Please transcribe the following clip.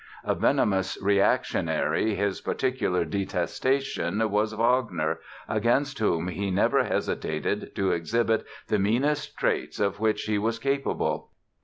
A venomous reactionary, his particular detestation was Wagner, against whom he never hesitated to exhibit the meanest traits of which he was capable.